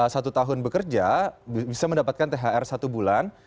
setahun bekerja bisa mendapatkan thr satu bulan